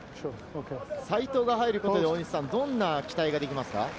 齋藤が入ることでどんな期待ができますか？